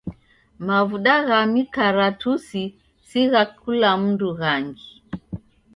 Mavuda gha mikaratusi si gha kula mndu ghangi.